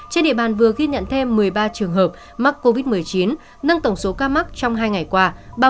trên địa bàn vừa ghi nhận thêm một mươi ba trường hợp mắc covid một mươi chín nâng tổng số ca mắc trong hai ngày qua